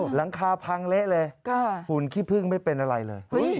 หลังคาพังเละเลยหุ่นขี้พึ่งไม่เป็นอะไรเลย